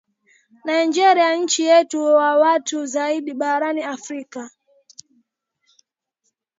nigeria nchi yenye watu wengi zaidi barani afrika